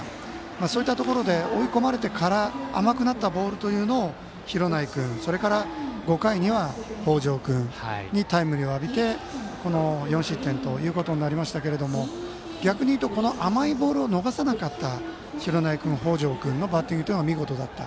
そういったところで追い込まれてから甘くなったボールを、廣内君それから、５回には北條君にタイムリーを浴びてこの４失点となりましたが逆に言うと、甘いボールを逃さなかった廣内君、北條君のバッティングというのは見事だった。